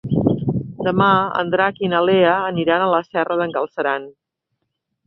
Demà en Drac i na Lea aniran a la Serra d'en Galceran.